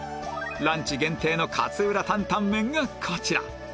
ランチ限定の勝浦タンタンメンがこちら